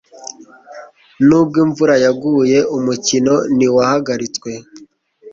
Nubwo imvura yaguye, umukino ntiwahagaritswe.